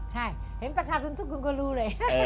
ใช่เห็นประชาชนทุกคนก็รู้เลย